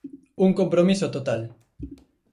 Un compromiso total.